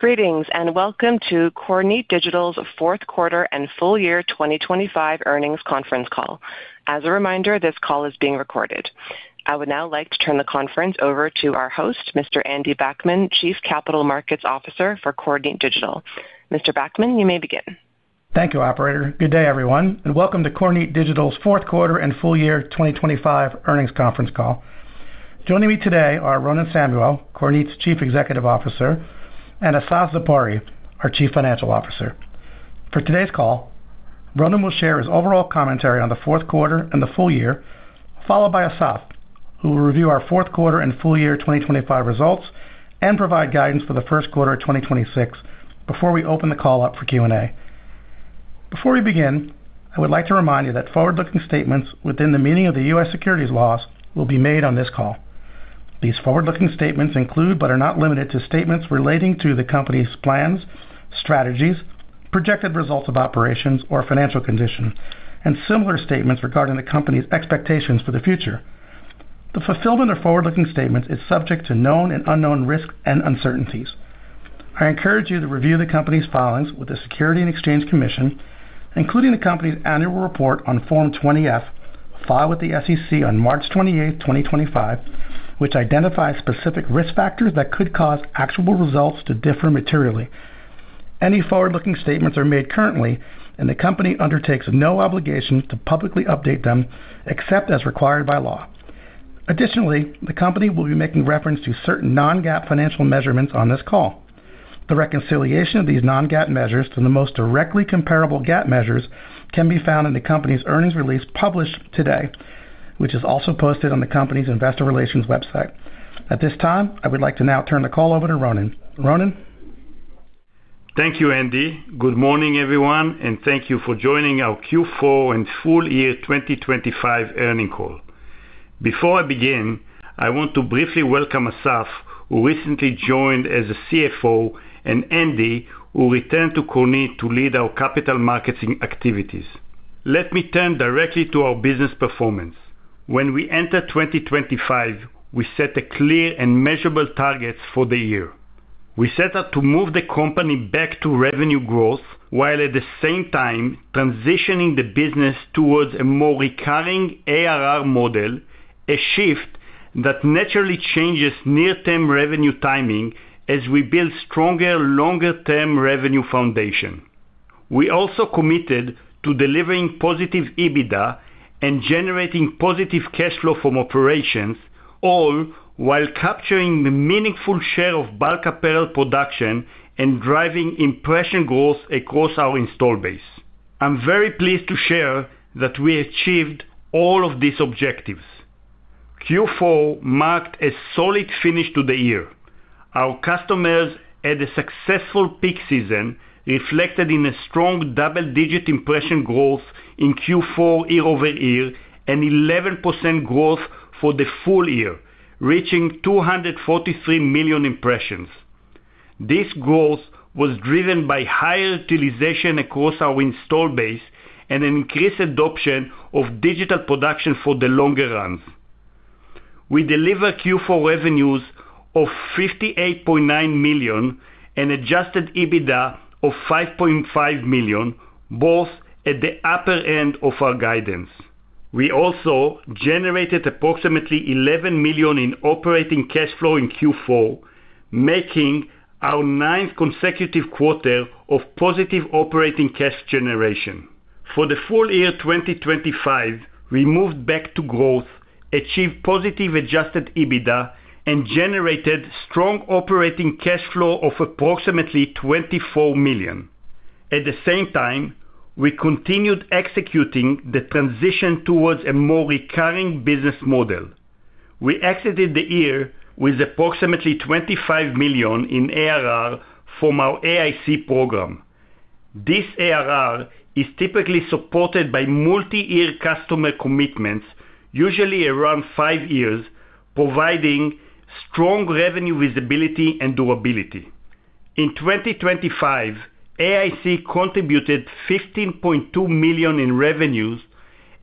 Greetings and welcome to Kornit Digital's Fourth Quarter and Full Year 2025 Earnings Conference Call. As a reminder, this call is being recorded. I would now like to turn the conference over to our host, Mr. Andy Backman, Chief Capital Markets Officer for Kornit Digital. Mr. Backman, you may begin. Thank you, Operator. Good day, everyone, and welcome to Kornit Digital's Fourth Quarter and Full Year 2025 Earnings Conference Call. Joining me today are Ronen Samuel, Kornit's Chief Executive Officer, and Assaf Zipori, our Chief Financial Officer. For today's call, Ronen will share his overall commentary on the fourth quarter and the full year, followed by Assaf, who will review our fourth quarter and full year 2025 results and provide guidance for the first quarter of 2026 before we open the call up for Q&A. Before we begin, I would like to remind you that forward-looking statements within the meaning of the U.S. securities laws will be made on this call. These forward-looking statements include but are not limited to statements relating to the company's plans, strategies, projected results of operations, or financial condition, and similar statements regarding the company's expectations for the future. The fulfillment of forward-looking statements is subject to known and unknown risks and uncertainties. I encourage you to review the company's filings with the Securities and Exchange Commission, including the company's annual report on Form 20-F filed with the SEC on March 28, 2025, which identifies specific risk factors that could cause actual results to differ materially. Any forward-looking statements are made currently, and the company undertakes no obligation to publicly update them except as required by law. Additionally, the company will be making reference to certain non-GAAP financial measurements on this call. The reconciliation of these non-GAAP measures to the most directly comparable GAAP measures can be found in the company's earnings release published today, which is also posted on the company's investor relations website. At this time, I would like to now turn the call over to Ronen. Ronen? Thank you, Andy. Good morning, everyone, and thank you for joining our Q4 and full year 2025 earnings call. Before I begin, I want to briefly welcome Assaf, who recently joined as a CFO, and Andy, who returned to Kornit to lead our capital markets activities. Let me turn directly to our business performance. When we entered 2025, we set clear and measurable targets for the year. We set out to move the company back to revenue growth while at the same time transitioning the business towards a more recurring ARR model, a shift that naturally changes near-term revenue timing as we build stronger, longer-term revenue foundation. We also committed to delivering positive EBITDA and generating positive cash flow from operations, all while capturing a meaningful share of bulk apparel production and driving impression growth across our install base. I'm very pleased to share that we achieved all of these objectives. Q4 marked a solid finish to the year. Our customers had a successful peak season reflected in a strong double-digit impression growth in Q4 year-over-year and 11% growth for the full year, reaching 243 million impressions. This growth was driven by higher utilization across our install base and an increased adoption of digital production for the longer runs. We delivered Q4 revenues of $58.9 million and adjusted EBITDA of $5.5 million, both at the upper end of our guidance. We also generated approximately $11 million in operating cash flow in Q4, making our ninth consecutive quarter of positive operating cash generation. For the full year 2025, we moved back to growth, achieved positive adjusted EBITDA, and generated strong operating cash flow of approximately $24 million. At the same time, we continued executing the transition towards a more recurring business model. We exited the year with approximately $25 million in ARR from our AIC program. This ARR is typically supported by multi-year customer commitments, usually around five years, providing strong revenue visibility and durability. In 2025, AIC contributed $15.2 million in revenues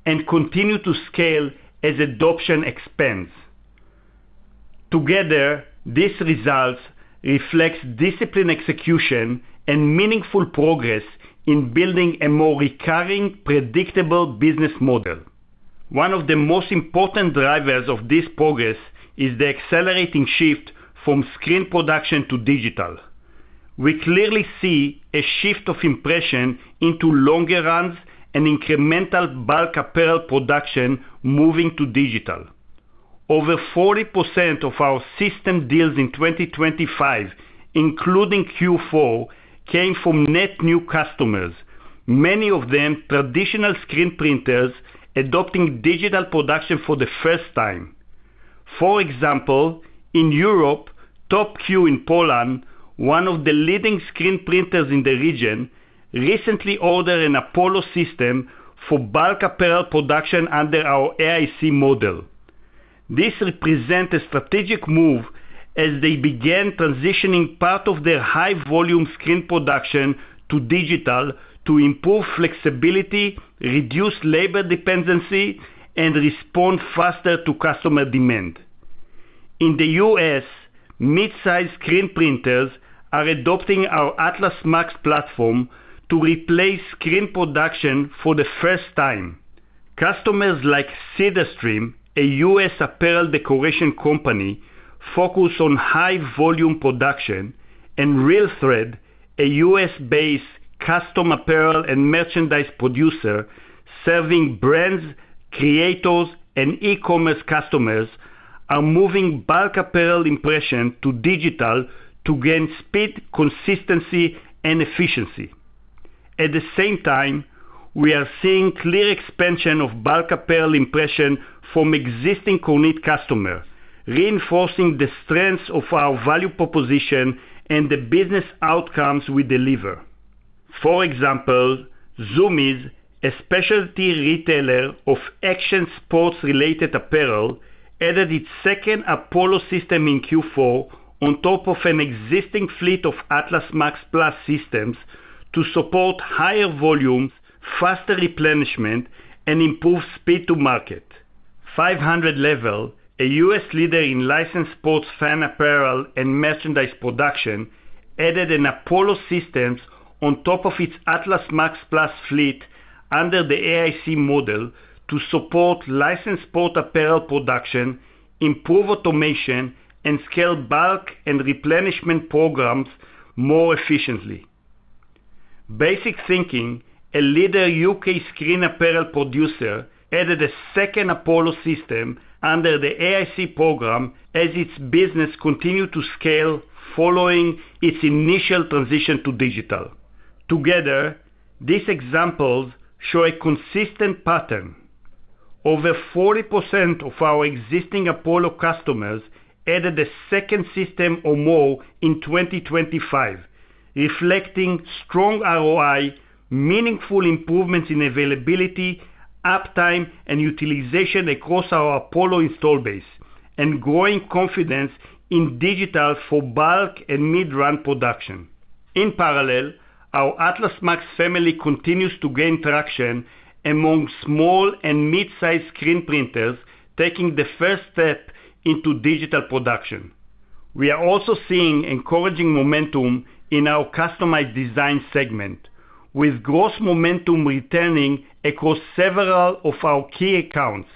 and continued to scale as adoption expands. Together, these results reflect disciplined execution and meaningful progress in building a more recurring, predictable business model. One of the most important drivers of this progress is the accelerating shift from screen production to digital. We clearly see a shift of impression into longer runs and incremental bulk apparel production moving to digital. Over 40% of our system deals in 2025, including Q4, came from net new customers, many of them traditional screen printers adopting digital production for the first time. For example, in Europe, TOPQ in Poland, one of the leading screen printers in the region, recently ordered an Apollo system for bulk apparel production under our AIC model. This represents a strategic move as they began transitioning part of their high-volume screen production to digital to improve flexibility, reduce labor dependency, and respond faster to customer demand. In the U.S., midsize screen printers are adopting our Atlas MAX platform to replace screen production for the first time. Customers like Cedarstream, a U.S. apparel decoration company focused on high-volume production, and Real Thread, a U.S.-based custom apparel and merchandise producer serving brands, creators, and e-commerce customers, are moving bulk apparel impression to digital to gain speed, consistency, and efficiency. At the same time, we are seeing clear expansion of bulk apparel impression from existing Kornit customers, reinforcing the strengths of our value proposition and the business outcomes we deliver. For example, Zumiez, a specialty retailer of action sports-related apparel, added its second Apollo system in Q4 on top of an existing fleet of Atlas MAX PLUS systems to support higher volumes, faster replenishment, and improved speed to market. 500 LEVEL, a U.S. leader in licensed sports fan apparel and merchandise production, added an Apollo system on top of its Atlas MAX PLUS fleet under the AIC model to support licensed sports apparel production, improve automation, and scale bulk and replenishment programs more efficiently. BASIC THINKING, a leading U.K. screen apparel producer, added a second Apollo system under the AIC program as its business continued to scale following its initial transition to digital. Together, these examples show a consistent pattern. Over 40% of our existing Apollo customers added a second system or more in 2025, reflecting strong ROI, meaningful improvements in availability, uptime, and utilization across our Apollo install base, and growing confidence in digital for bulk and mid-run production. In parallel, our Atlas MAX family continues to gain traction among small and midsize screen printers taking the first step into digital production. We are also seeing encouraging momentum in our customized design segment, with gross momentum returning across several of our key accounts.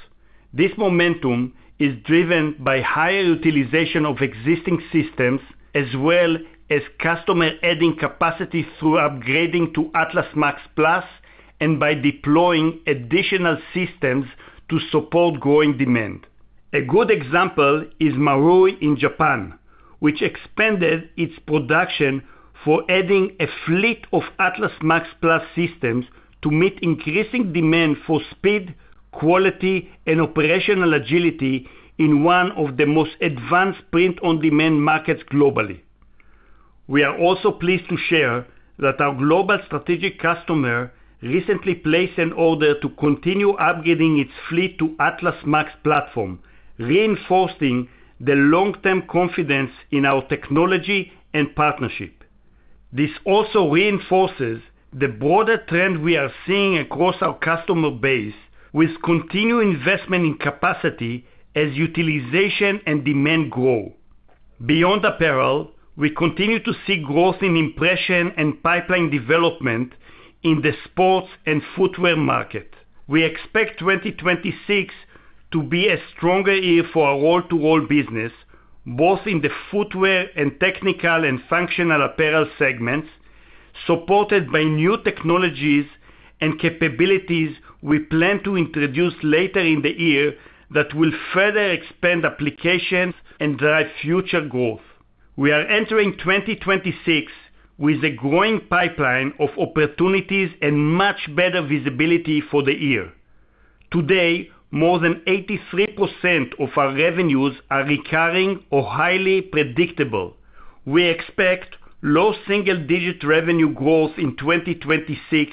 This momentum is driven by higher utilization of existing systems as well as customer adding capacity through upgrading to Atlas MAX PLUS and by deploying additional systems to support growing demand. A good example is MARUI in Japan, which expanded its production for adding a fleet of Atlas MAX PLUS systems to meet increasing demand for speed, quality, and operational agility in one of the most advanced print-on-demand markets globally. We are also pleased to share that our global strategic customer recently placed an order to continue upgrading its fleet to Atlas MAX platform, reinforcing the long-term confidence in our technology and partnership. This also reinforces the broader trend we are seeing across our customer base with continued investment in capacity as utilization and demand grow. Beyond apparel, we continue to see growth in impression and pipeline development in the sports and footwear market. We expect 2026 to be a stronger year for our Roll-to-Roll business, both in the footwear and technical and functional apparel segments, supported by new technologies and capabilities we plan to introduce later in the year that will further expand applications and drive future growth. We are entering 2026 with a growing pipeline of opportunities and much better visibility for the year. Today, more than 83% of our revenues are recurring or highly predictable. We expect low single-digit revenue growth in 2026,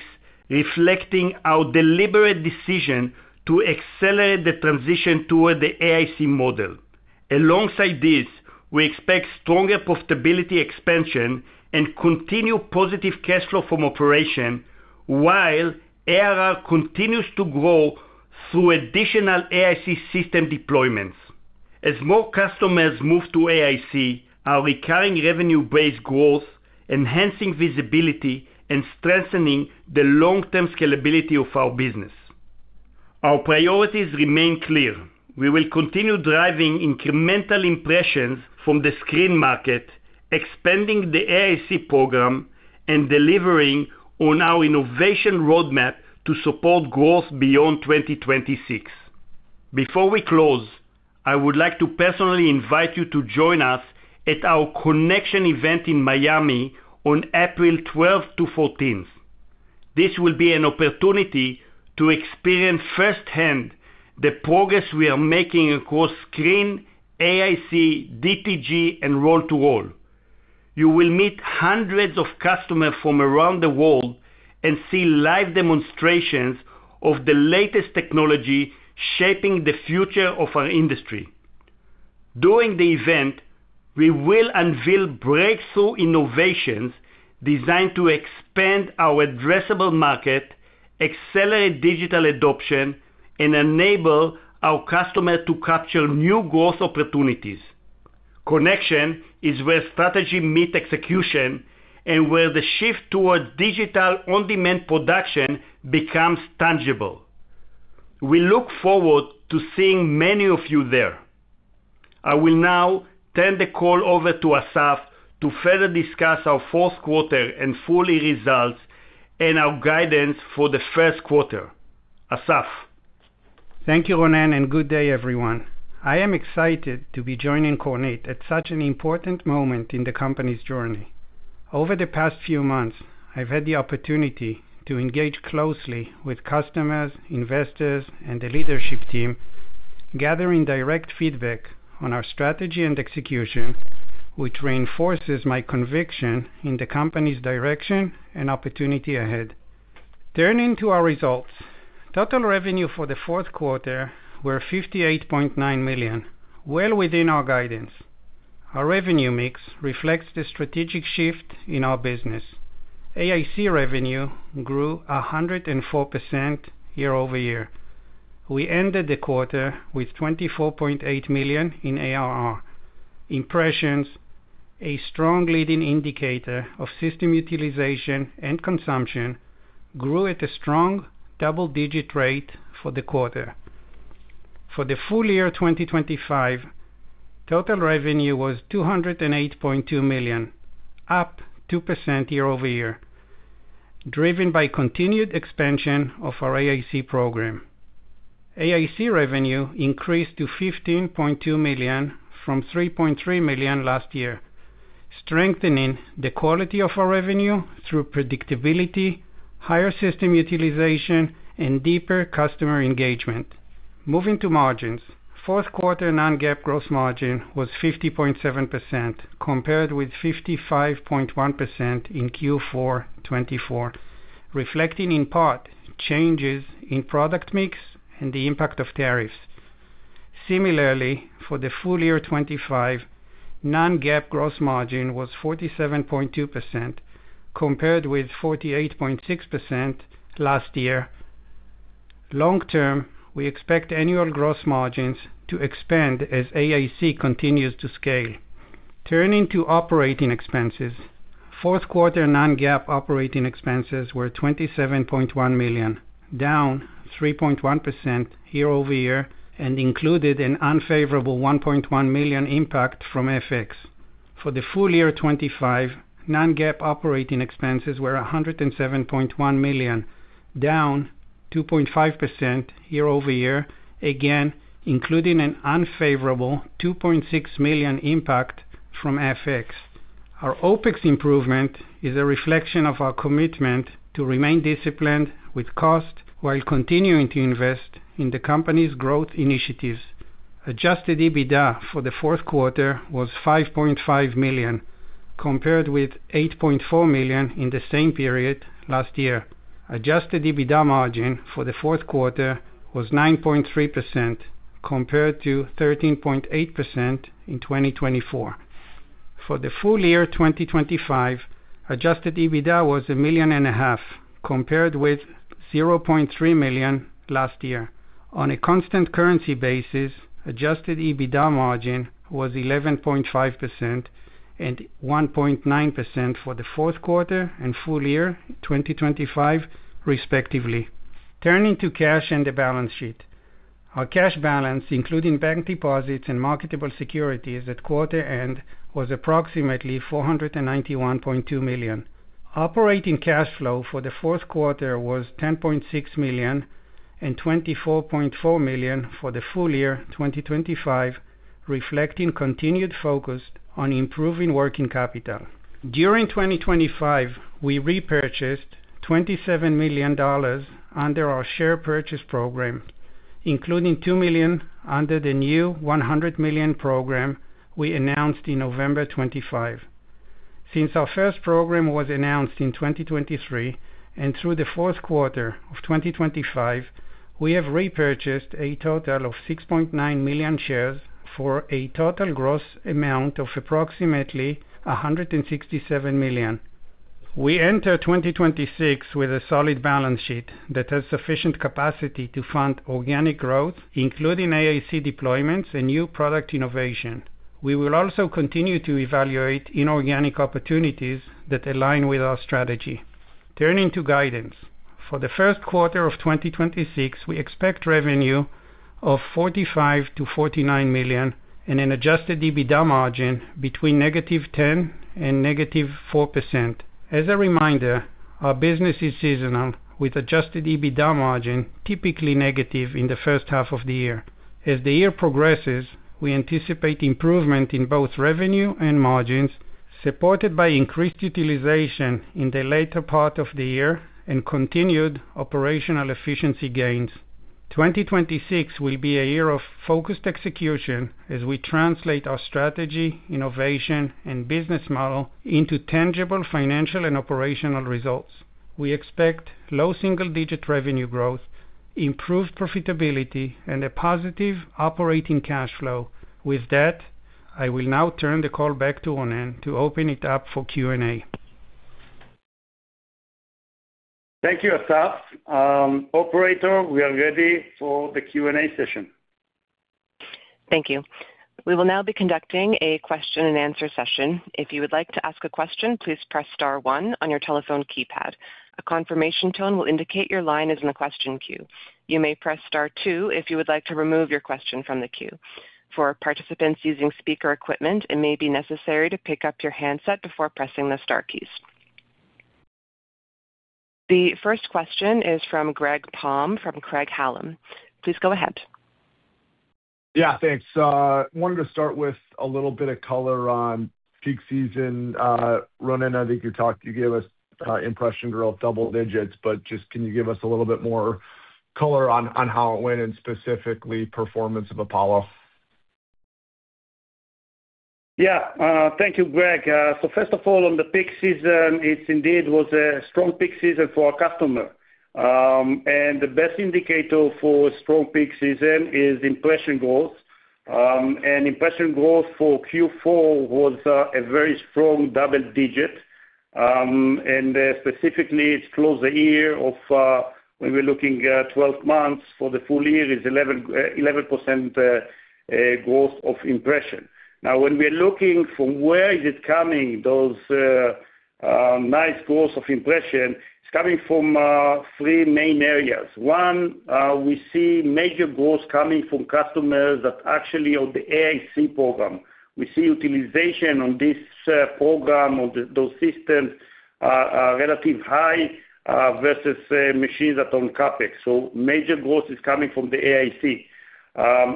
reflecting our deliberate decision to accelerate the transition toward the AIC model. Alongside this, we expect stronger profitability expansion and continued positive cash flow from operation while ARR continues to grow through additional AIC system deployments. As more customers move to AIC, our recurring revenue-based growth enhances visibility and strengthens the long-term scalability of our business. Our priorities remain clear. We will continue driving incremental impressions from the screen market, expanding the AIC program, and delivering on our innovation roadmap to support growth beyond 2026. Before we close, I would like to personally invite you to join us at our Konnections Event in Miami on April 12th-14th. This will be an opportunity to experience firsthand the progress we are making across screen, AIC, DTG, and Roll-to-Roll. You will meet hundreds of customers from around the world and see live demonstrations of the latest technology shaping the future of our industry. During the event, we will unveil breakthrough innovations designed to expand our addressable market, accelerate digital adoption, and enable our customers to capture new growth opportunities. Konnections is where strategy meets execution and where the shift toward digital-on-demand production becomes tangible. We look forward to seeing many of you there. I will now turn the call over to Assaf to further discuss our fourth quarter and full year results and our guidance for the first quarter. Assaf? Thank you, Ronen, and good day, everyone. I am excited to be joining Kornit at such an important moment in the company's journey. Over the past few months, I've had the opportunity to engage closely with customers, investors, and the leadership team, gathering direct feedback on our strategy and execution, which reinforces my conviction in the company's direction and opportunity ahead. Turning to our results, total revenue for the fourth quarter were $58.9 million, well within our guidance. Our revenue mix reflects the strategic shift in our business. AIC revenue grew 104% year-over-year. We ended the quarter with $24.8 million in ARR. Impressions, a strong leading indicator of system utilization and consumption, grew at a strong double-digit rate for the quarter. For the full year 2025, total revenue was $208.2 million, up 2% year-over-year, driven by continued expansion of our AIC program. AIC revenue increased to $15.2 million from $3.3 million last year, strengthening the quality of our revenue through predictability, higher system utilization, and deeper customer engagement. Moving to margins, fourth quarter non-GAAP gross margin was 50.7% compared with 55.1% in Q4 2024, reflecting in part changes in product mix and the impact of tariffs. Similarly, for the full year 2025, non-GAAP gross margin was 47.2% compared with 48.6% last year. Long-term, we expect annual gross margins to expand as AIC continues to scale. Turning to operating expenses, fourth quarter non-GAAP operating expenses were $27.1 million, down 3.1% year-over-year and included an unfavorable $1.1 million impact from FX. For the full year 2025, non-GAAP operating expenses were $107.1 million, down 2.5% year-over-year, again including an unfavorable $2.6 million impact from FX. Our OpEx improvement is a reflection of our commitment to remain disciplined with cost while continuing to invest in the company's growth initiatives. Adjusted EBITDA for the fourth quarter was $5.5 million compared with $8.4 million in the same period last year. Adjusted EBITDA margin for the fourth quarter was 9.3% compared to 13.8% in 2024. For the full year 2025, adjusted EBITDA was $1.5 million compared with $0.3 million last year. On a constant currency basis, adjusted EBITDA margin was 11.5% and 1.9% for the fourth quarter and full year 2025, respectively. Turning to cash and the balance sheet, our cash balance, including bank deposits and marketable securities at quarter end, was approximately $491.2 million. Operating cash flow for the fourth quarter was $10.6 million and $24.4 million for the full year 2025, reflecting continued focus on improving working capital. During 2025, we repurchased $27 million under our share purchase program, including $2 million under the new $100 million program we announced in November 2025. Since our first program was announced in 2023 and through the fourth quarter of 2025, we have repurchased a total of 6.9 million shares for a total gross amount of approximately $167 million. We enter 2026 with a solid balance sheet that has sufficient capacity to fund organic growth, including AIC deployments and new product innovation. We will also continue to evaluate inorganic opportunities that align with our strategy. Turning to guidance, for the first quarter of 2026, we expect revenue of $45-$49 million and an adjusted EBITDA margin between -10% and -4%. As a reminder, our business is seasonal, with adjusted EBITDA margin typically negative in the first half of the year. As the year progresses, we anticipate improvement in both revenue and margins, supported by increased utilization in the later part of the year and continued operational efficiency gains. 2026 will be a year of focused execution as we translate our strategy, innovation, and business model into tangible financial and operational results. We expect low single-digit revenue growth, improved profitability, and a positive operating cash flow. With that, I will now turn the call back to Ronen to open it up for Q&A. Thank you, Assaf. Operator, we are ready for the Q&A session. Thank you. We will now be conducting a question-and-answer session. If you would like to ask a question, please press star one on your telephone keypad. A confirmation tone will indicate your line is in the question queue. You may press star two if you would like to remove your question from the queue. For participants using speaker equipment, it may be necessary to pick up your handset before pressing the star keys. The first question is from Greg Palm from Craig-Hallum. Please go ahead. Yeah, thanks. I wanted to start with a little bit of color on peak season. Ronen, I think you gave us impressions of double-digits, but just can you give us a little bit more color on how it went and specifically performance of Apollo? Yeah. Thank you, Greg. So first of all, on the peak season, it indeed was a strong peak season for our customer. The best indicator for a strong peak season is impression growth. Impression growth for Q4 was a very strong double-digit. Specifically, it's close to the year-over-year when we're looking at 12 months. For the full year, it's 11% growth of impression. Now, when we're looking from where is it coming, those nice growths of impression, it's coming from three main areas. One, we see major growth coming from customers that actually are on the AIC program. We see utilization on this program, on those systems, relatively high versus machines that are on CapEx. So major growth is coming from the AIC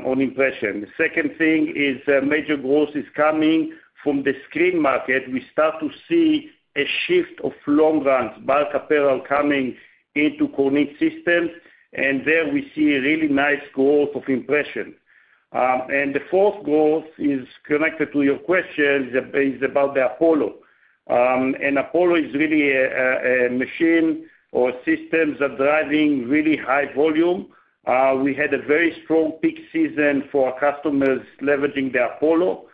on impression. The second thing is major growth is coming from the screen market. We start to see a shift of long-runs bulk apparel coming into Kornit systems. And there we see really nice growth of impression. And the fourth growth is connected to your question is about the Apollo. And Apollo is really a machine or a system that's driving really high volume. We had a very strong peak season for our customers leveraging the Apollo.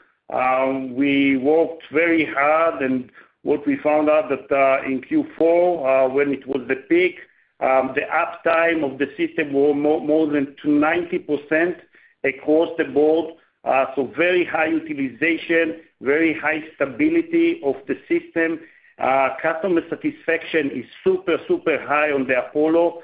We worked very hard. And what we found out that in Q4, when it was the peak, the uptime of the system was more than 90% across the board. So very high utilization, very high stability of the system. Customer satisfaction is super, super high on the Apollo.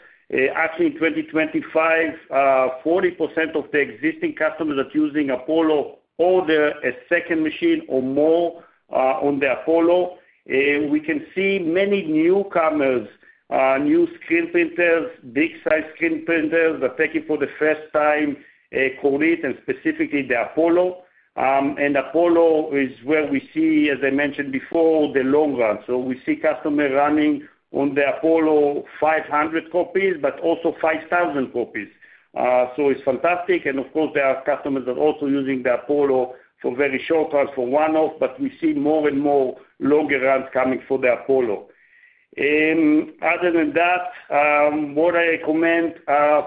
Actually, in 2025, 40% of the existing customers that are using Apollo order a second machine or more on the Apollo. We can see many newcomers, new screen printers, big-size screen printers that are taking for the first time Kornit and specifically the Apollo. And Apollo is where we see, as I mentioned before, the long run. So we see customers running on the Apollo 500 copies, but also 5,000 copies. So it's fantastic. And of course, there are customers that are also using the Apollo for very short runs, for one-off, but we see more and more longer runs coming for the Apollo. Other than that, what I recommend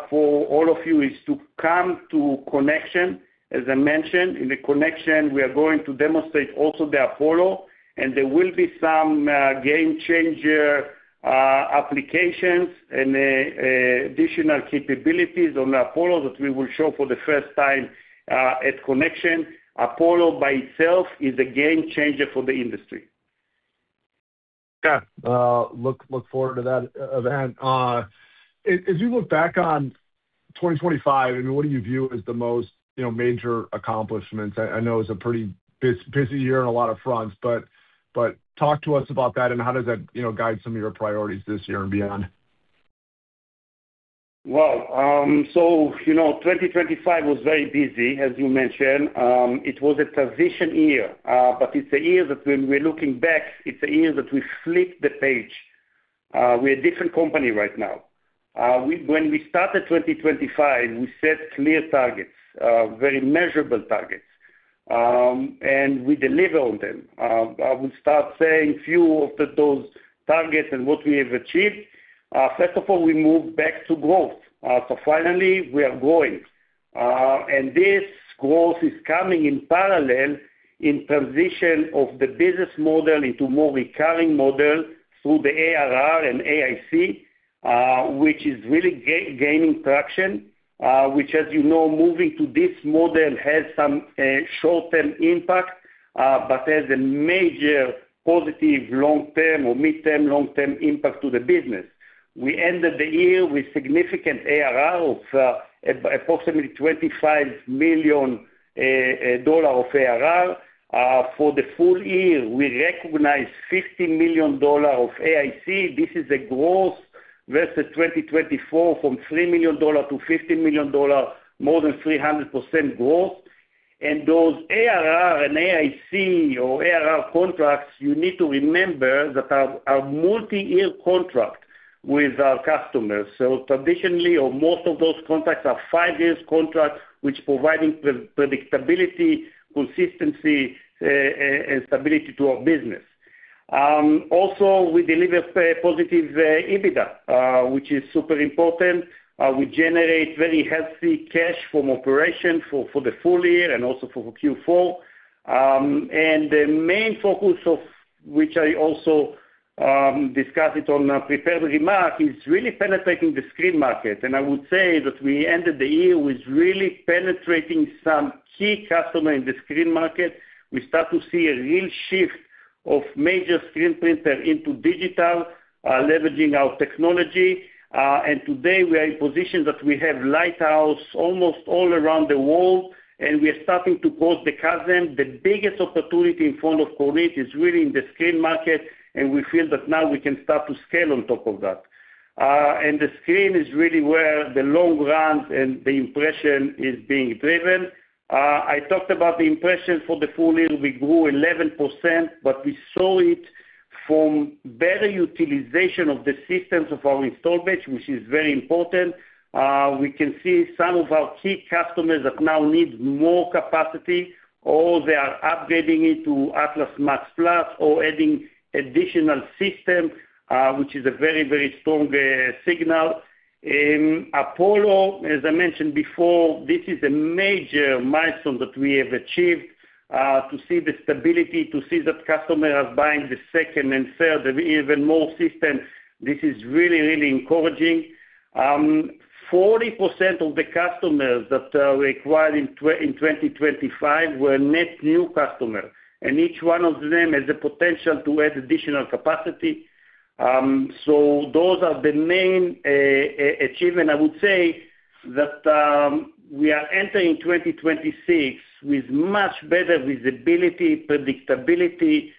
for all of you is to come to Konnections. As I mentioned, in the Konnections, we are going to demonstrate also the Apollo. And there will be some game-changer applications and additional capabilities on the Apollo that we will show for the first time at Konnections. Apollo by itself is a game-changer for the industry. Yeah. Look forward to that event. As you look back on 2025, I mean, what do you view as the most major accomplishments? I know it's a pretty busy year on a lot of fronts, but talk to us about that and how does that guide some of your priorities this year and beyond? Well, so 2025 was very busy, as you mentioned. It was a transition year. But it's a year that when we're looking back, it's a year that we flipped the page. We're a different company right now. When we started 2025, we set clear targets, very measurable targets. And we deliver on them. I will start saying a few of those targets and what we have achieved. First of all, we moved back to growth. So finally, we are growing. And this growth is coming in parallel in transition of the business model into a more recurring model through the ARR and AIC, which is really gaining traction, which, as you know, moving to this model has some short-term impact but has a major positive long-term or mid-term, long-term impact to the business. We ended the year with significant ARR of approximately $25 million of ARR. For the full year, we recognized $50 million of AIC. This is a growth versus 2024 from $3 million to $50 million, more than 300% growth. And those ARR and AIC or ARR contracts, you need to remember that are multi-year contracts with our customers. So traditionally, most of those contracts are five-year contracts, which provide predictability, consistency, and stability to our business. Also, we deliver positive EBITDA, which is super important. We generate very healthy cash from operation for the full year and also for Q4. And the main focus, which I also discussed on prepared remark, is really penetrating the screen market. And I would say that we ended the year with really penetrating some key customers in the screen market. We start to see a real shift of major screen printers into digital, leveraging our technology. Today, we are in a position that we have lighthouse almost all around the world. We are starting to cross the chasm. The biggest opportunity in front of Kornit is really in the screen market. We feel that now we can start to scale on top of that. The screen is really where the long runs and the impression is being driven. I talked about the impression for the full year. We grew 11%, but we saw it from better utilization of the systems of our installed base, which is very important. We can see some of our key customers that now need more capacity, or they are upgrading it to Atlas MAX PLUS or adding additional systems, which is a very, very strong signal. Apollo, as I mentioned before, this is a major milestone that we have achieved to see the stability, to see that customers are buying the second and third and even more systems. This is really, really encouraging. 40% of the customers that are acquired in 2025 were net new customers. And each one of them has the potential to add additional capacity. So those are the main achievements. I would say that we are entering 2026 with much better visibility, predictability.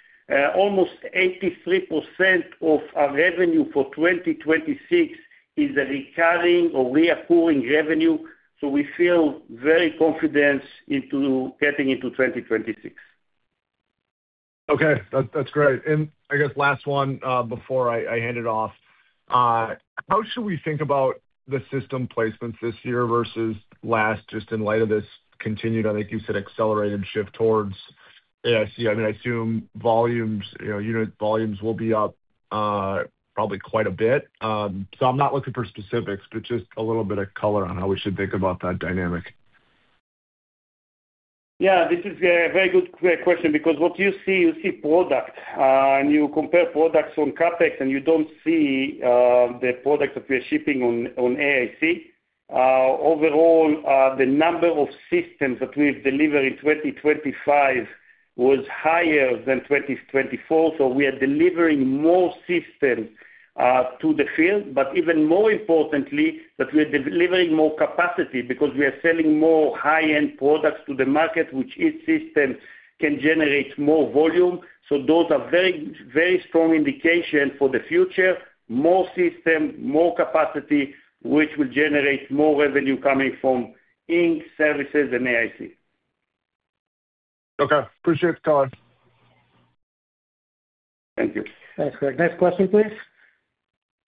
Almost 83% of our revenue for 2026 is recurring or recurring revenue. So we feel very confident getting into 2026. Okay. That's great. And I guess last one before I hand it off, how should we think about the system placements this year versus last just in light of this continued, I think you said, accelerated shift towards AIC? I mean, I assume unit volumes will be up probably quite a bit. So I'm not looking for specifics, but just a little bit of color on how we should think about that dynamic? Yeah. This is a very good question because what you see, you see product. And you compare products on CapEx, and you don't see the product that we are shipping on AIC. Overall, the number of systems that we have delivered in 2025 was higher than 2024. So we are delivering more systems to the field. But even more importantly, that we are delivering more capacity because we are selling more high-end products to the market, which each system can generate more volume. So those are very, very strong indications for the future: more systems, more capacity, which will generate more revenue coming from ink, services, and AIC. Okay. Appreciate the color. Thank you. Thanks, Greg. Next question, please?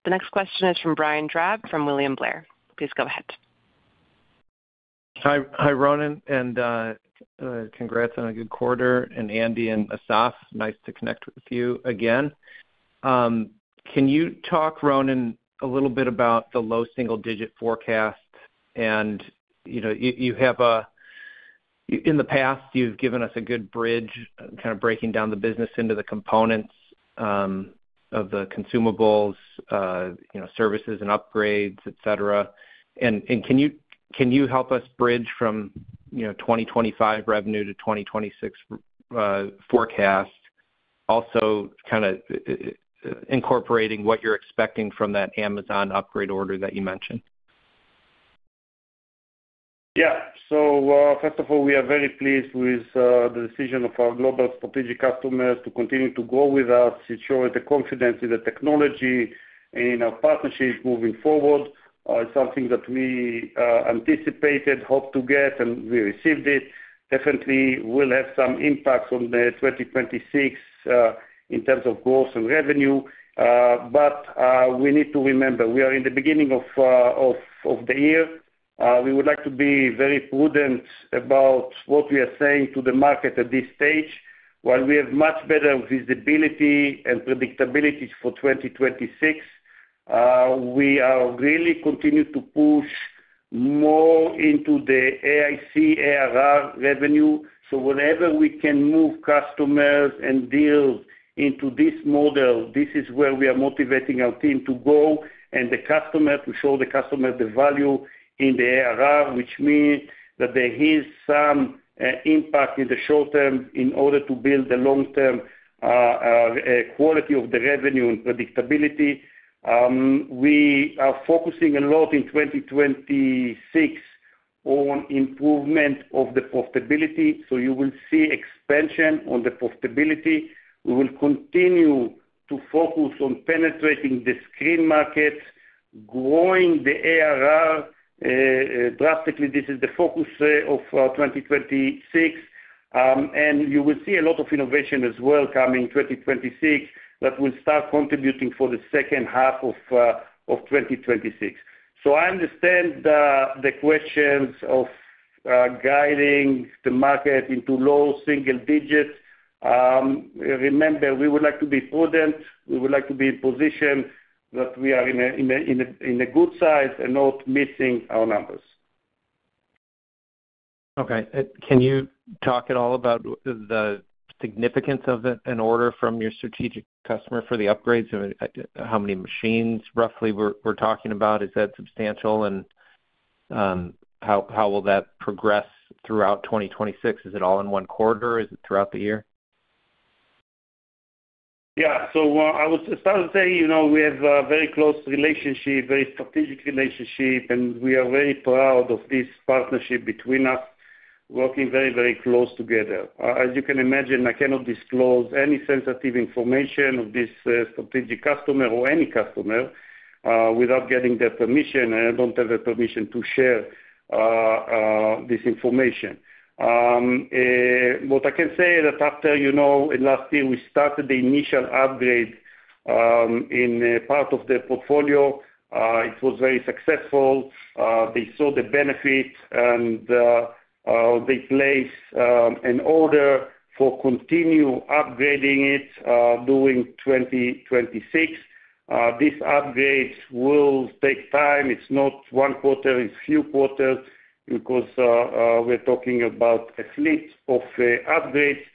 The next question is from Brian Drab from William Blair. Please go ahead. Hi, Ronen. Congrats on a good quarter. Andy and Assaf, nice to connect with you again. Can you talk, Ronen, a little bit about the low single-digit forecast? And you have, in the past, given us a good bridge, kind of breaking down the business into the components of the consumables, services, and upgrades, etc. Can you help us bridge from 2025 revenue to 2026 forecast, also kind of incorporating what you're expecting from that Amazon upgrade order that you mentioned? Yeah. So first of all, we are very pleased with the decision of our global strategic customers to continue to go with us, ensure the confidence in the technology and in our partnerships moving forward. It's something that we anticipated, hoped to get, and we received it. Definitely, we'll have some impacts on 2026 in terms of growth and revenue. But we need to remember, we are in the beginning of the year. We would like to be very prudent about what we are saying to the market at this stage. While we have much better visibility and predictability for 2026, we are really continuing to push more into the AIC, ARR revenue. So whenever we can move customers and deals into this model, this is where we are motivating our team to go and to show the customer the value in the ARR, which means that there is some impact in the short term in order to build the long-term quality of the revenue and predictability. We are focusing a lot in 2026 on improvement of the profitability. So you will see expansion on the profitability. We will continue to focus on penetrating the screen market, growing the ARR drastically. This is the focus of 2026. And you will see a lot of innovation as well coming in 2026 that will start contributing for the second half of 2026. So I understand the questions of guiding the market into low single-digits. Remember, we would like to be prudent. We would like to be in a position that we are in a good size and not missing our numbers. Okay. Can you talk at all about the significance of an order from your strategic customer for the upgrades? How many machines roughly we're talking about? Is that substantial? And how will that progress throughout 2026? Is it all in one quarter? Is it throughout the year? Yeah. So I would start to say we have a very close relationship, very strategic relationship. And we are very proud of this partnership between us, working very, very close together. As you can imagine, I cannot disclose any sensitive information of this strategic customer or any customer without getting their permission. And I don't have the permission to share this information. What I can say is that after last year, we started the initial upgrade in part of the portfolio. It was very successful. They saw the benefit. And they placed an order for continuing upgrading it during 2026. This upgrade will take time. It's not one quarter. It's a few quarters because we're talking about a fleet of upgrades.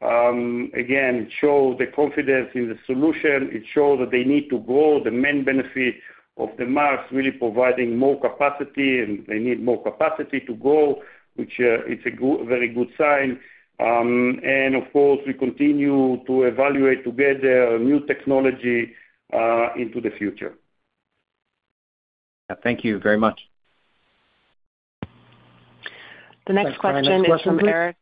Again, it showed the confidence in the solution. It showed that they need to grow. The main benefit of the MAX is really providing more capacity. They need more capacity to grow, which it's a very good sign. Of course, we continue to evaluate together new technology into the future. Yeah. Thank you very much. The next question is from Eric.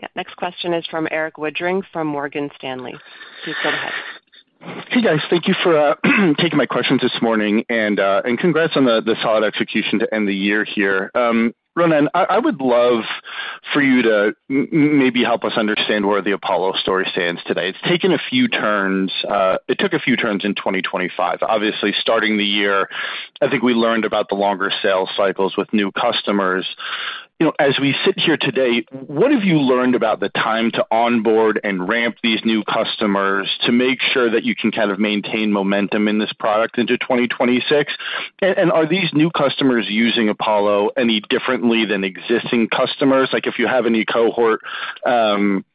Yeah. Next question is from Eric Woodring from Morgan Stanley. Please go ahead. Hey, guys. Thank you for taking my questions this morning. Congrats on the solid execution to end the year here. Ronen, I would love for you to maybe help us understand where the Apollo story stands today. It's taken a few turns. It took a few turns in 2025. Obviously, starting the year, I think we learned about the longer sales cycles with new customers. As we sit here today, what have you learned about the time to onboard and ramp these new customers to make sure that you can kind of maintain momentum in this product into 2026? And are these new customers using Apollo any differently than existing customers? If you have any cohort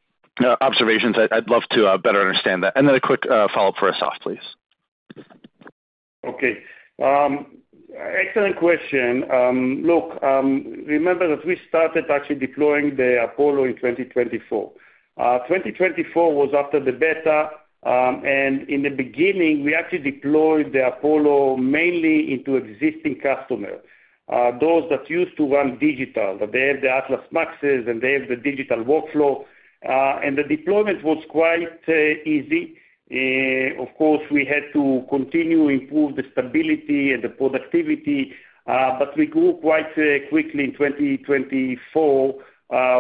observations, I'd love to better understand that. And then a quick follow-up for Assaf, please. Okay. Excellent question. Look, remember that we started actually deploying the Apollo in 2024. 2024 was after the beta. In the beginning, we actually deployed the Apollo mainly into existing customers, those that used to run digital, that they have the Atlas MAXs, and they have the digital workflow. The deployment was quite easy. Of course, we had to continue to improve the stability and the productivity. We grew quite quickly in 2024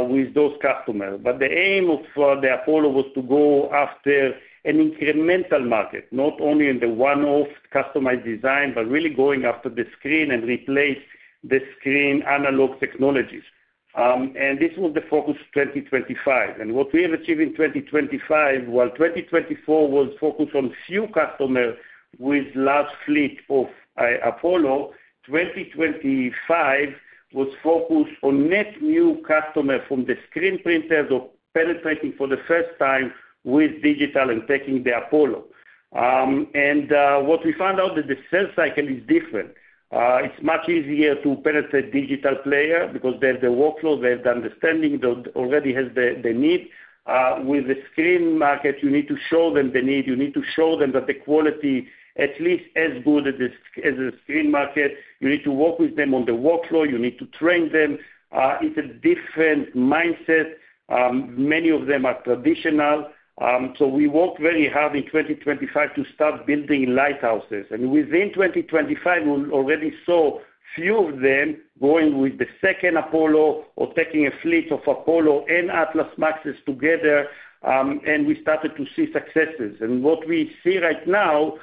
with those customers. The aim of the Apollo was to go after an incremental market, not only in the one-off customized design, but really going after the screen and replacing the screen analog technologies. This was the focus of 2025. What we have achieved in 2025, while 2024 was focused on a few customers with a large fleet of Apollo, 2025 was focused on net new customers from the screen printers or penetrating for the first time with digital and taking the Apollo. What we found out is that the sales cycle is different. It's much easier to penetrate a digital player because they have the workflow. They have the understanding. They already have the need. With the screen market, you need to show them the need. You need to show them that the quality is at least as good as the screen market. You need to work with them on the workflow. You need to train them. It's a different mindset. Many of them are traditional. We worked very hard in 2025 to start building lighthouses. Within 2025, we already saw a few of them going with the second Apollo or taking a fleet of Apollo and Atlas MAXs together. We started to see successes. What we see right now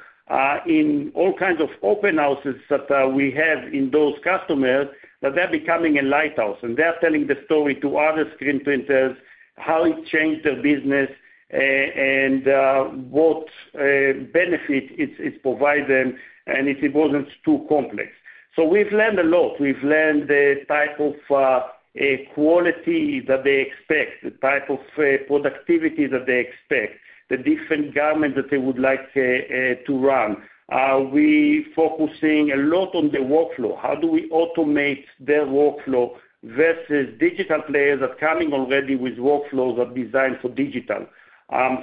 in all kinds of open houses that we have in those customers is that they're becoming a lighthouse. They are telling the story to other screen printers, how it changed their business, and what benefit it provides them and if it wasn't too complex. So we've learned a lot. We've learned the type of quality that they expect, the type of productivity that they expect, the different garments that they would like to run. We are focusing a lot on the workflow. How do we automate their workflow versus digital players that are coming already with workflows that are designed for digital?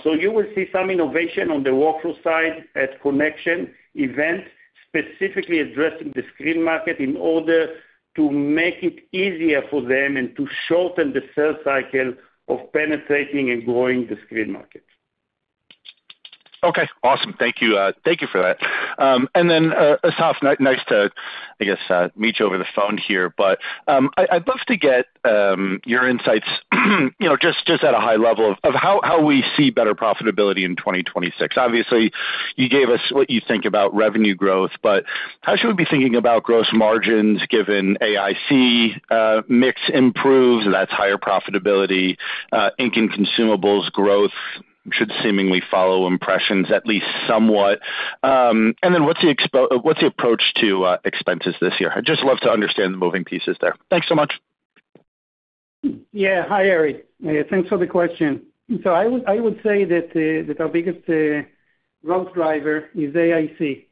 So you will see some innovation on the workflow side at Konnections Event, specifically addressing the screen market in order to make it easier for them and to shorten the sales cycle of penetrating and growing the screen market. Okay. Awesome. Thank you for that. And then, Assaf, nice to, I guess, meet you over the phone here. But I'd love to get your insights just at a high level of how we see better profitability in 2026. Obviously, you gave us what you think about revenue growth. But how should we be thinking about gross margins given AIC mix improves? That's higher profitability. Ink and consumables growth should seemingly follow impressions at least somewhat. And then what's the approach to expenses this year? I'd just love to understand the moving pieces there. Thanks so much. Yeah. Hi, Eric. Thanks for the question. So I would say that our biggest growth driver is AIC.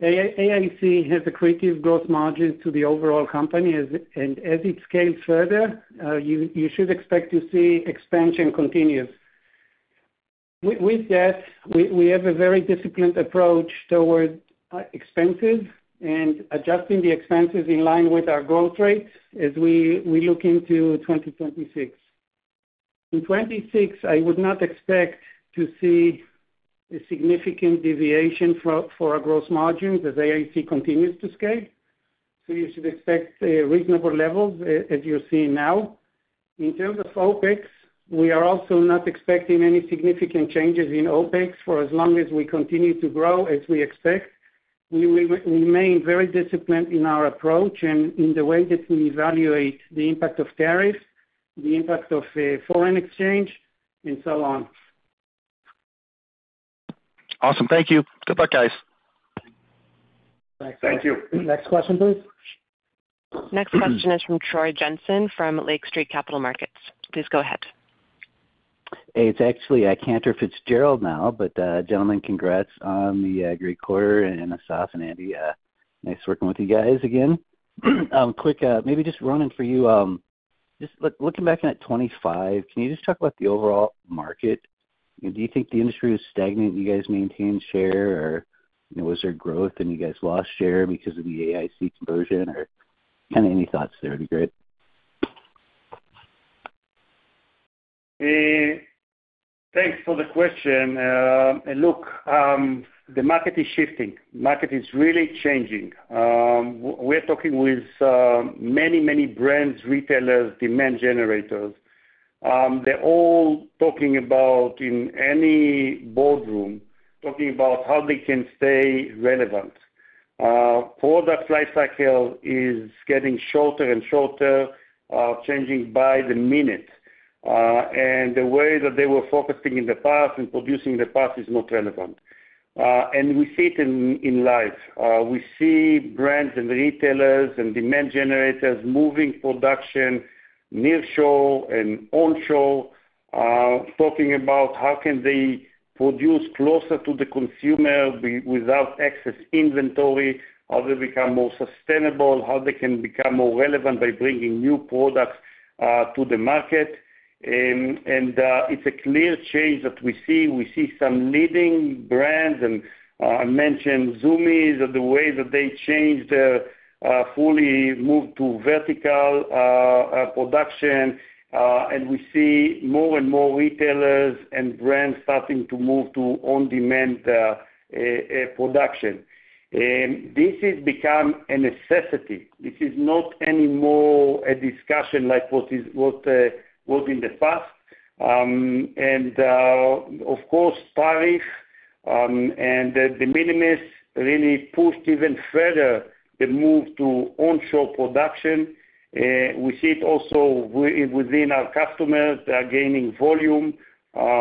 AIC has a contributory gross margin to the overall company. And as it scales further, you should expect to see continuous expansion. With that, we have a very disciplined approach towards expenses and adjusting the expenses in line with our growth rate as we look into 2026. In 2026, I would not expect to see a significant deviation for our gross margins as AIC continues to scale. So you should expect reasonable levels as you're seeing now. In terms of OpEx, we are also not expecting any significant changes in OpEx for as long as we continue to grow as we expect. We will remain very disciplined in our approach and in the way that we evaluate the impact of tariffs, the impact of foreign exchange, and so on. Awesome. Thank you. Good luck, guys. Thank you. Next question, please. Next question is from Troy Jensen from Lake Street Capital Markets. Please go ahead. It's actually Cantor Fitzgerald now. But gentlemen, congrats on the great quarter. And Assaf and Andy, nice working with you guys again. Quick, maybe just Ronen, for you, just looking back at 2025, can you just talk about the overall market? Do you think the industry was stagnant? You guys maintained share, or was there growth, and you guys lost share because of the AIC conversion, or kind of any thoughts there would be great. Thanks for the question. Look, the market is shifting. The market is really changing. We are talking with many, many brands, retailers, demand generators. They're all talking about, in any boardroom, talking about how they can stay relevant. Product lifecycle is getting shorter and shorter, changing by the minute. The way that they were focusing in the past and producing in the past is not relevant. We see it in life. We see brands and retailers and demand generators moving production nearshore and onshore, talking about how can they produce closer to the consumer without excess inventory, how they become more sustainable, how they can become more relevant by bringing new products to the market. It's a clear change that we see. We see some leading brands. I mentioned Zumiez or the way that they changed their fully moved to vertical production. We see more and more retailers and brands starting to move to on-demand production. This has become a necessity. This is not anymore a discussion like what was in the past. And of course, tariffs and the minimums really pushed even further the move to onshore production. We see it also within our customers. They are gaining volume,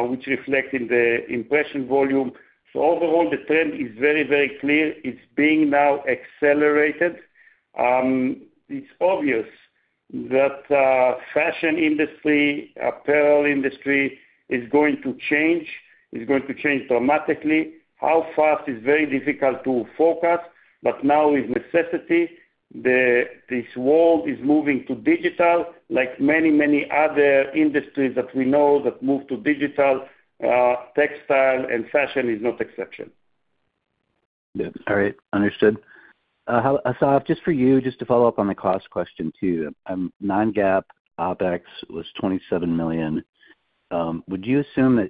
which reflects in the impression volume. So overall, the trend is very, very clear. It's being now accelerated. It's obvious that the fashion industry, apparel industry is going to change. It's going to change dramatically. How fast is very difficult to forecast. But now, with necessity, this world is moving to digital. Like many, many other industries that we know that move to digital, textile, and fashion is not an exception. Yeah. All right. Understood. Assaf, just for you, just to follow up on the cost question too, non-GAAP OpEx was $27 million. Would you assume that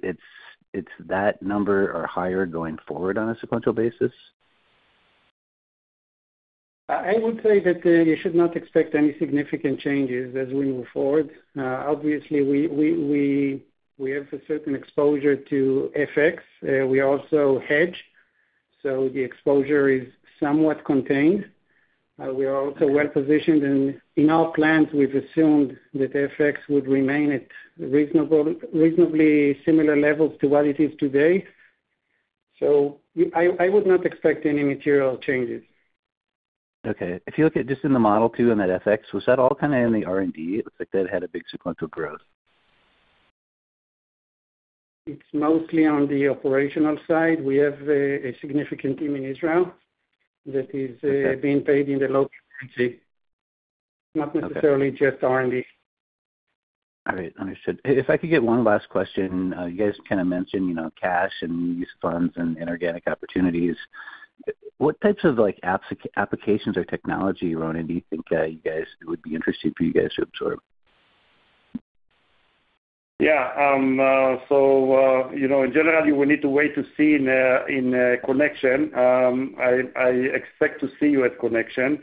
it's that number or higher going forward on a sequential basis? I would say that you should not expect any significant changes as we move forward. Obviously, we have a certain exposure to FX. We also hedge. So the exposure is somewhat contained. We are also well-positioned. And in our plants, we've assumed that FX would remain at reasonably similar levels to what it is today. So I would not expect any material changes. Okay. If you look at just in the model too on that FX, was that all kind of in the R&D? It looks like that had a big sequential growth. It's mostly on the operational side. We have a significant team in Israel that is being paid in the local currency, not necessarily just R&D. All right. Understood. If I could get one last question, you guys kind of mentioned cash and use of funds and inorganic opportunities. What types of applications or technology, Ronen, do you think you guys it would be interesting for you guys to absorb? Yeah. So in general, we need to wait to see in Konnections. I expect to see you at Konnections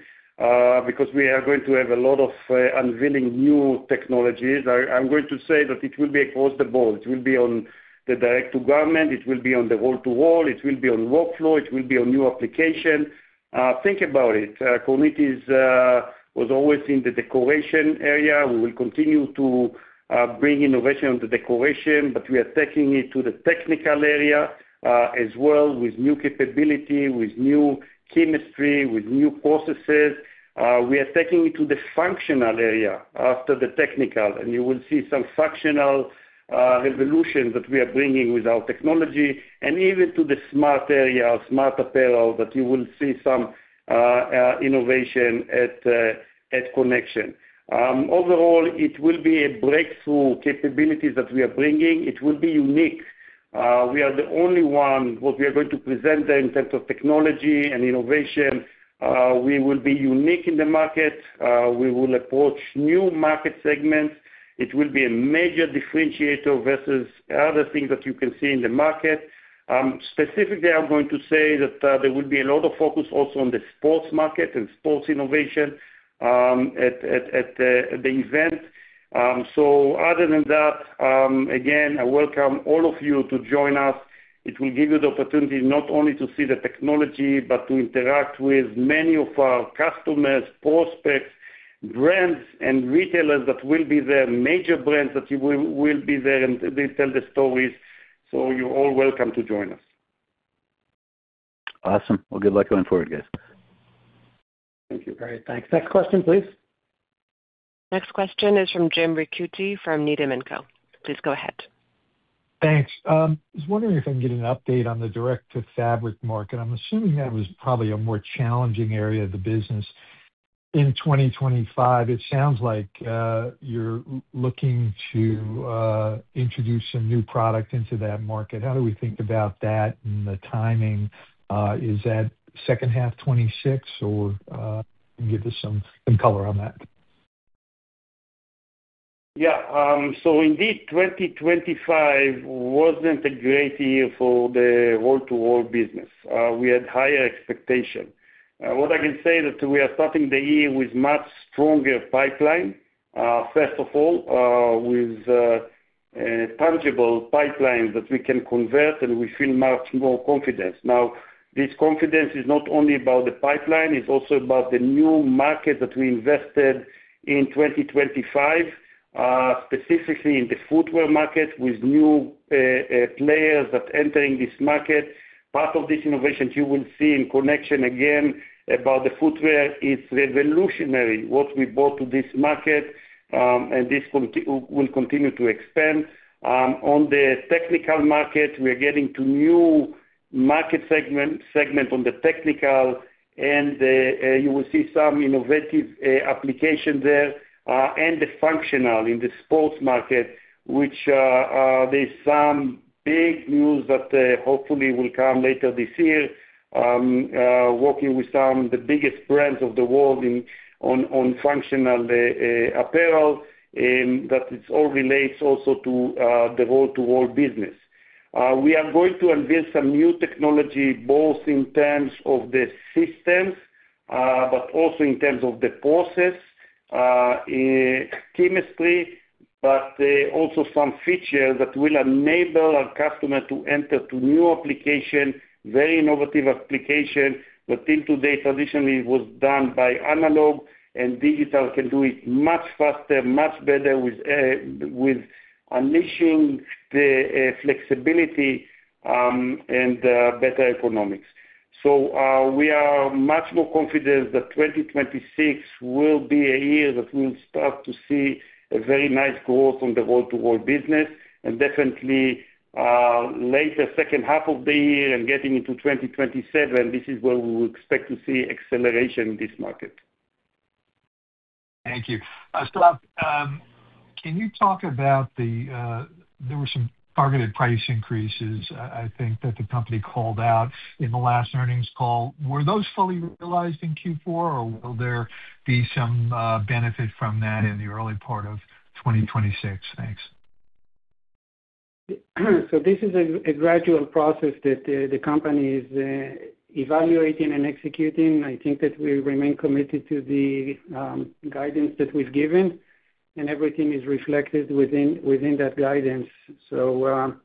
because we are going to have a lot of unveiling new technologies. I'm going to say that it will be across the board. It will be on the Direct-to-Garment. It will be on the Roll-to-Roll. It will be on workflow. It will be on new applications. Think about it. Kornit was always in the decoration area. We will continue to bring innovation on the decoration. But we are taking it to the technical area as well with new capability, with new chemistry, with new processes. We are taking it to the functional area after the technical. And you will see some functional revolution that we are bringing with our technology and even to the smart area, smart apparel, that you will see some innovation at Konnections. Overall, it will be a breakthrough capability that we are bringing. It will be unique. We are the only ones what we are going to present there in terms of technology and innovation. We will be unique in the market. We will approach new market segments. It will be a major differentiator versus other things that you can see in the market. Specifically, I'm going to say that there will be a lot of focus also on the sports market and sports innovation at the event. So other than that, again, I welcome all of you to join us. It will give you the opportunity not only to see the technology but to interact with many of our customers, prospects, brands, and retailers that will be there, major brands that will be there, and they tell the stories. So you're all welcome to join us. Awesome. Well, good luck going forward, guys. Thank you. All right. Thanks. Next question, please. Next question is from James Ricchiuti from Needham & Company. Please go ahead. Thanks. I was wondering if I can get an update on the Direct-to-Fabric market. I'm assuming that was probably a more challenging area of the business. In 2025, it sounds like you're looking to introduce some new product into that market. How do we think about that and the timing? Is that second half 2026, or can you give us some color on that? Yeah. So indeed, 2025 wasn't a great year for the Roll-to-Roll business. We had higher expectations. What I can say is that we are starting the year with a much stronger pipeline, first of all, with tangible pipelines that we can convert, and we feel much more confident. Now, this confidence is not only about the pipeline. It's also about the new market that we invested in 2025, specifically in the footwear market with new players that are entering this market. Part of this innovation you will see in Konnections again about the footwear. It's revolutionary, what we brought to this market, and this will continue to expand. On the technical market, we are getting to a new market segment on the technical. You will see some innovative applications there and the functional in the sports market, which there's some big news that hopefully will come later this year, working with some of the biggest brands of the world on functional apparel that all relates also to the Roll-to-Roll business. We are going to unveil some new technology both in terms of the systems but also in terms of the process, chemistry, but also some features that will enable our customers to enter to new applications, very innovative applications that until today, traditionally, it was done by analog. And digital can do it much faster, much better with unleashing the flexibility and better economics. So we are much more confident that 2026 will be a year that we'll start to see a very nice growth on the Roll-to-Roll business. Definitely, later second half of the year and getting into 2027, this is where we will expect to see acceleration in this market. Thank you. Assaf, can you talk about there were some targeted price increases, I think, that the company called out in the last earnings call. Were those fully realized in Q4, or will there be some benefit from that in the early part of 2026? Thanks. This is a gradual process that the company is evaluating and executing. I think that we remain committed to the guidance that we've given. Everything is reflected within that guidance. So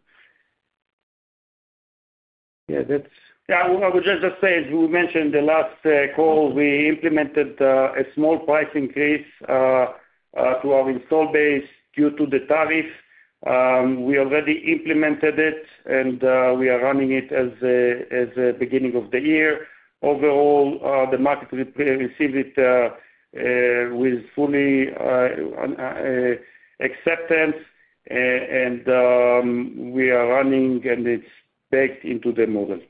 yeah, that's. Yeah. I would just say, as we mentioned the last call, we implemented a small price increase to our install base due to the tariffs. We already implemented it, and we are running it as the beginning of the year. Overall, the market received it with full acceptance. And we are running, and it's baked into the model.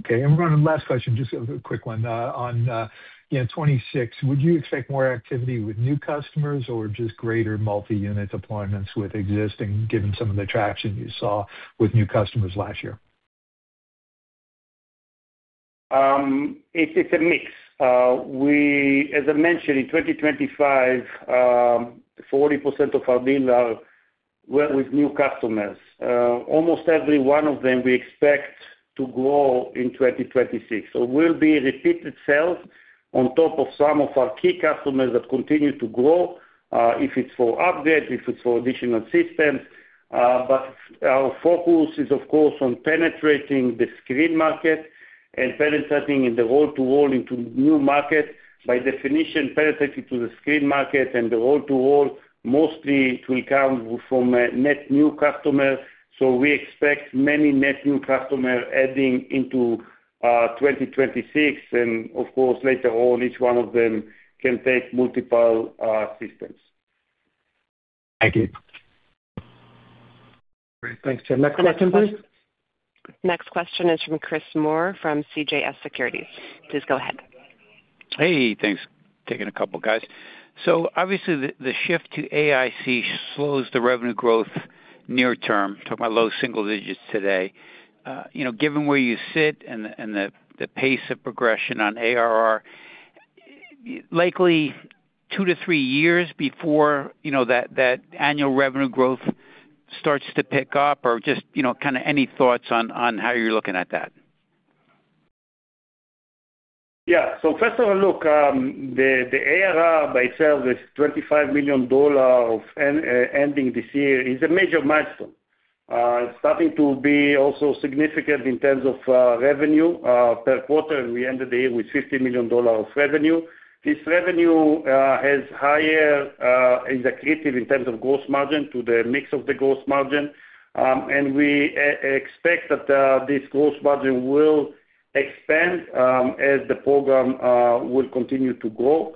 Okay. And Ronen, last question, just a quick one. On 2026, would you expect more activity with new customers or just greater multi-unit deployments with existing, given some of the traction you saw with new customers last year? It's a mix. As I mentioned, in 2025, 40% of our dealers were with new customers. Almost every one of them, we expect to grow in 2026. So it will be repeated sales on top of some of our key customers that continue to grow if it's for upgrades, if it's for additional systems. But our focus is, of course, on penetrating the screen market and penetrating in the Roll-to-Roll into new markets. By definition, penetrating to the screen market and the Roll-to-Roll, mostly, it will come from net new customers. So we expect many net new customers adding into 2026. And of course, later on, each one of them can take multiple systems. Thank you. Great. Thanks, Jim. Next question, please. Next question is from Chris Moore from CJS Securities. Please go ahead. Hey. Thanks. Taking a couple, guys. So obviously, the shift to AIC slows the revenue growth near term. Talking about low single-digits today. Given where you sit and the pace of progression on ARR, likely 2-3 years before that annual revenue growth starts to pick up or just kind of any thoughts on how you're looking at that? Yeah. So first of all, look, the ARR by itself is $25 million ending this year. It's a major milestone. It's starting to be also significant in terms of revenue per quarter. And we ended the year with $50 million of revenue. This revenue is accretive in terms of gross margin to the mix of the gross margin. And we expect that this gross margin will expand as the program will continue to grow.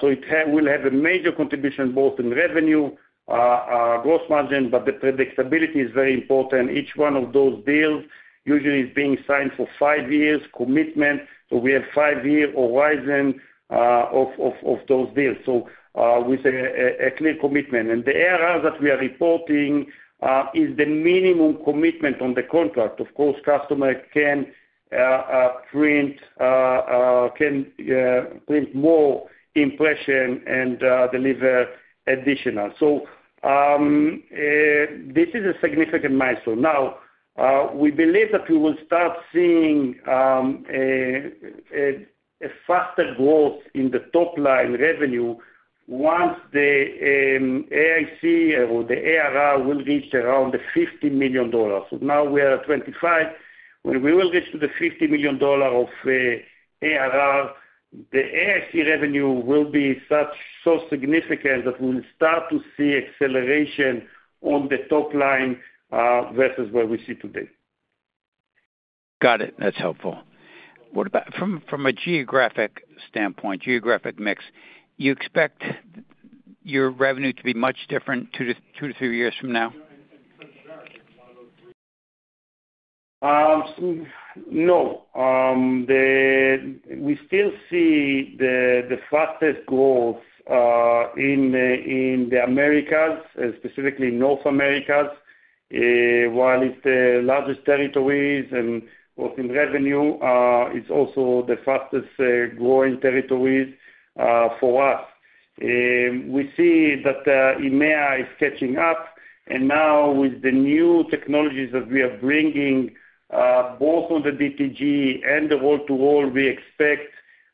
So it will have a major contribution both in revenue, gross margin, but the predictability is very important. Each one of those deals usually is being signed for five years, commitment. So we have five-year horizon of those deals, so with a clear commitment. And the ARR that we are reporting is the minimum commitment on the contract. Of course, customers can print more impressions and deliver additional. So this is a significant milestone. Now, we believe that we will start seeing a faster growth in the top-line revenue once the AIC or the ARR will reach around the $50 million. So now we are at $25 million. When we will reach to the $50 million of ARR, the AIC revenue will be so significant that we will start to see acceleration on the top-line versus what we see today. Got it. That's helpful. From a geographic standpoint, geographic mix, you expect your revenue to be much different 2-3 years from now? No. We still see the fastest growth in the Americas, specifically North America. While it's the largest territories both in revenue, it's also the fastest-growing territories for us. We see that EMEA is catching up. And now, with the new technologies that we are bringing both on the DTG and the Roll-to-Roll, we expect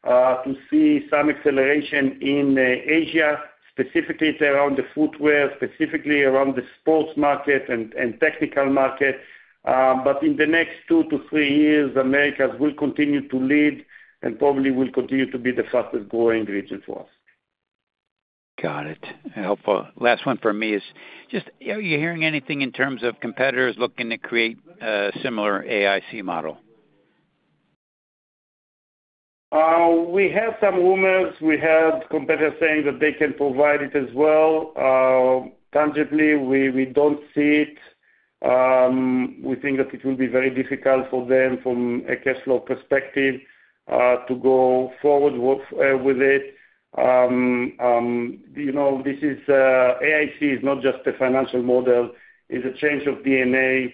to see some acceleration in Asia, specifically around the footwear, specifically around the sports market and technical market. But in the next 2-3 years, Americas will continue to lead and probably will continue to be the fastest-growing region for us. Got it. Helpful. Last one from me is just, are you hearing anything in terms of competitors looking to create a similar AIC model? We have some rumors. We had competitors saying that they can provide it as well. Tangibly, we don't see it. We think that it will be very difficult for them from a cash flow perspective to go forward with it. This is AIC is not just a financial model. It's a change of DNA.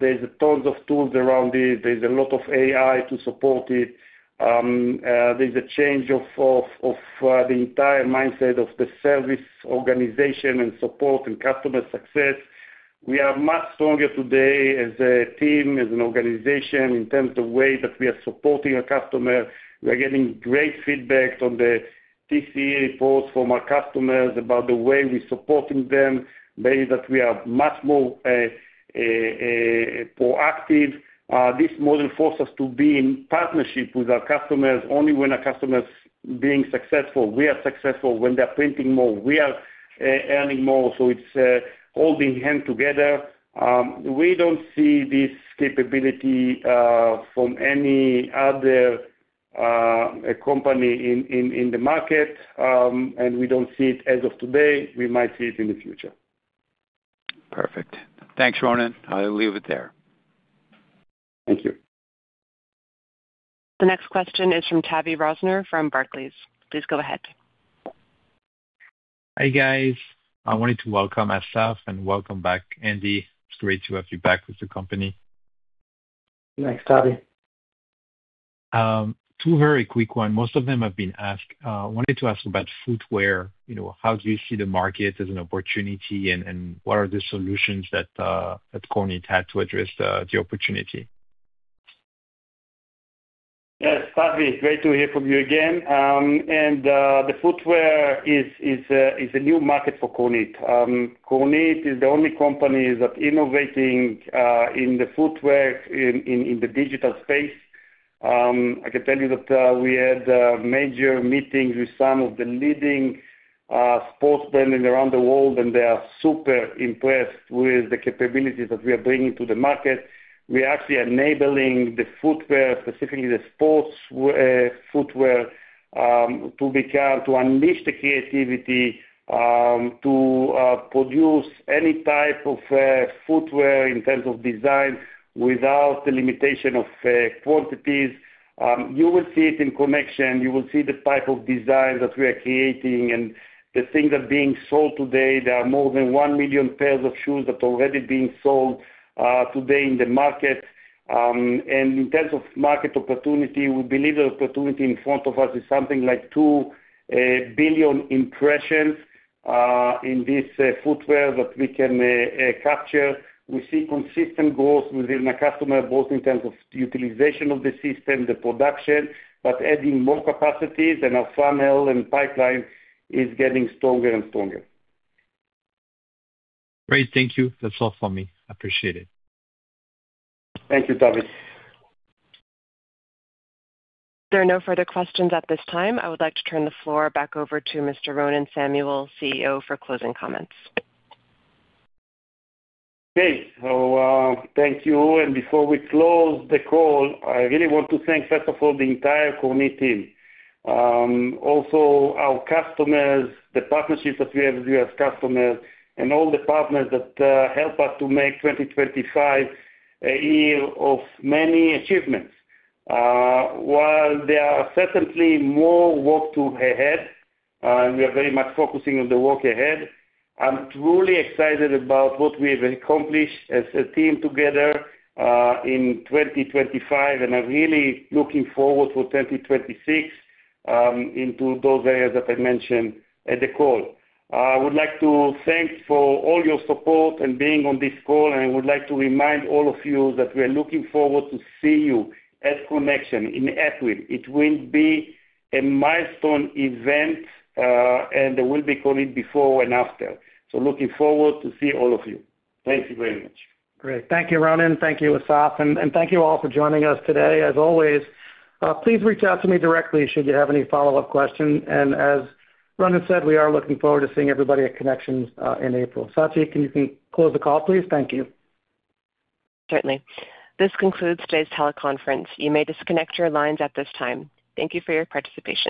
There's tons of tools around it. There's a lot of AI to support it. There's a change of the entire mindset of the service organization and support and customer success. We are much stronger today as a team, as an organization in terms of the way that we are supporting our customers. We are getting great feedback on the TCE reports from our customers about the way we're supporting them, meaning that we are much more proactive. This model forces us to be in partnership with our customers only when our customers are being successful. We are successful when they're printing more. We are earning more. So it's holding hands together. We don't see this capability from any other company in the market. And we don't see it as of today. We might see it in the future. Perfect. Thanks, Ronen. I'll leave it there. Thank you. The next question is from Tavy Rosner from Barclays. Please go ahead. Hi, guys. I wanted to welcome Assaf and welcome back, Andy. It's great to have you back with the company. Thanks, Tavy. Two very quick ones. Most of them have been asked. I wanted to ask about footwear. How do you see the market as an opportunity, and what are the solutions that Kornit had to address the opportunity? Yes, Tavy. Great to hear from you again. The footwear is a new market for Kornit. Kornit is the only company that's innovating in the footwear in the digital space. I can tell you that we had major meetings with some of the leading sports brands around the world, and they are super impressed with the capabilities that we are bringing to the market. We are actually enabling the footwear, specifically the sports footwear, to unleash the creativity to produce any type of footwear in terms of design without the limitation of quantities. You will see it in Konnections. You will see the type of designs that we are creating. The things that are being sold today, there are more than 1 million pairs of shoes that are already being sold today in the market. In terms of market opportunity, we believe the opportunity in front of us is something like 2 billion impressions in this footwear that we can capture. We see consistent growth within our customers, both in terms of utilization of the system, the production, but adding more capacities. Our funnel and pipeline is getting stronger and stronger. Great. Thank you. That's all from me. I appreciate it. Thank you, Tavy. There are no further questions at this time. I would like to turn the floor back over to Mr. Ronen Samuel, CEO, for closing comments. Okay. So thank you. And before we close the call, I really want to thank, first of all, the entire Kornit team, also our customers, the partnerships that we have with U.S. customers, and all the partners that help us to make 2025 a year of many achievements. While there are certainly more work to ahead, and we are very much focusing on the work ahead, I'm truly excited about what we have accomplished as a team together in 2025. And I'm really looking forward to 2026 into those areas that I mentioned at the call. I would like to thank for all your support and being on this call. And I would like to remind all of you that we are looking forward to seeing you at Konnections in April. It will be a milestone event, and there will be Kornit before and after. Looking forward to seeing all of you. Thank you very much. Great. Thank you, Ronen. Thank you, Assaf. And thank you all for joining us today. As always, please reach out to me directly should you have any follow-up questions. And as Ronen said, we are looking forward to seeing everybody at Konnections in April. Sati, can you close the call, please? Thank you. Certainly. This concludes today's teleconference. You may disconnect your lines at this time. Thank you for your participation.